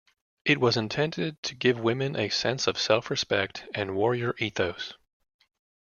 It was intended to give women a sense of self-respect and warrior ethos.